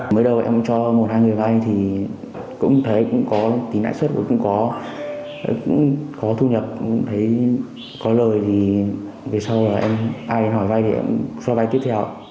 mới đầu em cho một hai người vai thì cũng thấy cũng có tính lãi suất cũng có cũng có thu nhập cũng thấy có lời thì về sau là ai hỏi vai thì em cho vai tiếp theo